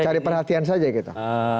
cari perhatian saja gitu